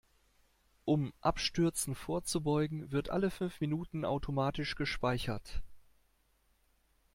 Um Abstürzen vorzubeugen, wird alle fünf Minuten automatisch gespeichert.